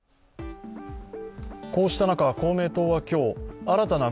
こうした中、公明党は今日新たな